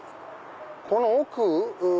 この奥？